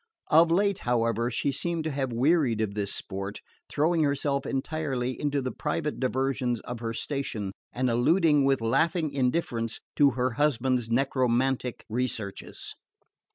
Of late, however, she seemed to have wearied of this sport, throwing herself entirely into the private diversions of her station, and alluding with laughing indifference to her husband's necromantic researches.